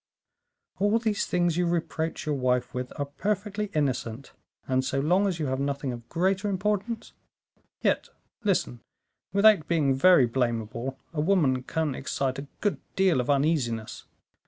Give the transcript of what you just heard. "All these things you reproach your wife with are perfectly innocent, and, so long as you have nothing of greater importance " "Yet, listen; without being very blamable, a woman can excite a good deal of uneasiness.